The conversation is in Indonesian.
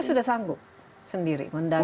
kita sudah sanggup sendiri mendana